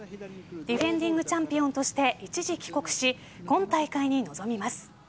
ディフェンディングチャンピオンとして一時帰国し今大会に臨みます。